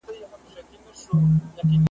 پنځه ووزي او پنځه په ننوزي `